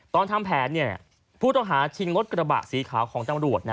ตอนทำแผนผู้ต้องหาชิงรถกระบะสีขาวของตำรวจ